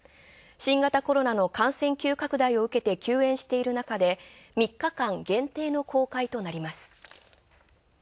新型コロナの感染急拡大を受けて休園しているなかで３日間限定の公開となります。